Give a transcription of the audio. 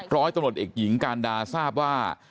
ร้อยตำรวจเอกหญิงการดาทราบว่า